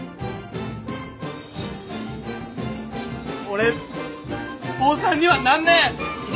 俺坊さんにはなんねえ！